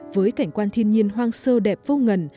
với cảnh quan thiên nhiên hoang sơ đẹp vô ngần